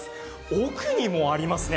奥にもありますね。